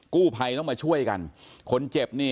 กู้ไพรมาช่วยกันคนเจ็บนี่